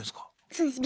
そうです。